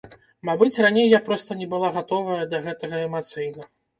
Мабыць, раней я проста не была гатовая да гэтага эмацыйна.